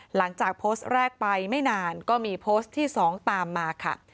หลังจากโพสต์แรกไปไม่นานก็มีโพสต์ที่๒ตามมาค่ะ